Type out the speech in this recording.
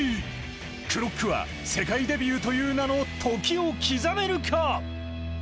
ＣＬＲＯＣＫは、世界デビューという名の時を刻めるか？